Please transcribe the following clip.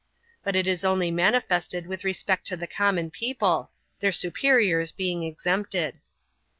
But it is only manifested with respect to the common people, their superiors being exempted.